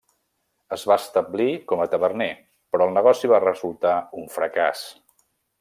Es va establir com a taverner, però el negoci va resultar un fracàs.